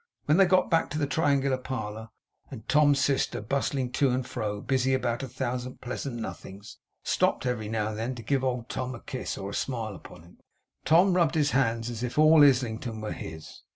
When they got back to the triangular parlour, and Tom's sister, bustling to and fro, busy about a thousand pleasant nothings, stopped every now and then to give old Tom a kiss or smile upon him, Tom rubbed his hands as if all Islington were his.